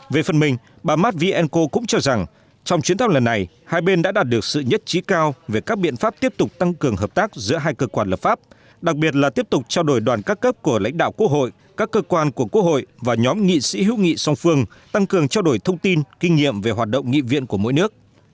về phần mình bà matvienko cũng cho rằng trong chuyến thăm lần này hai bên đã đạt được sự nhất trí cao về các biện pháp tiếp tục tăng cường hợp tác giữa hai cơ quan lập pháp đặc biệt là tiếp tục trao đổi đoàn các cấp của lãnh đạo quốc hội các cơ quan của quốc hội và nhóm nghị sĩ hữu nghị song phương tăng cường trao đổi thông tin kinh nghiệm về hoạt động nghị viện của mỗi nước